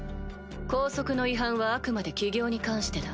校則の違反はあくまで起業に関してだ。